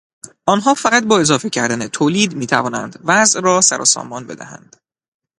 آنها فقط با اضافه کردن تولید میتوانند وضع را سروسامان بدهند.